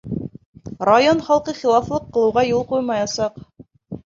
Район халҡы хилафлыҡ ҡылыуға юл ҡуймаясаҡ.